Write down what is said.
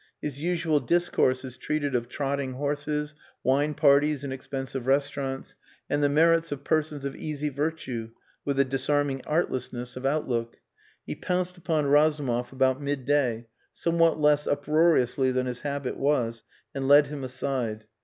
His usual discourses treated of trotting horses, wine parties in expensive restaurants, and the merits of persons of easy virtue, with a disarming artlessness of outlook. He pounced upon Razumov about midday, somewhat less uproariously than his habit was, and led him aside.